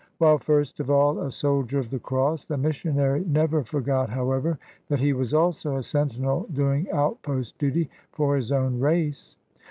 While first of all a soldier of the Cross, the missionary never forgot, however, that he was also a sentinel doing outpost duty for his own race.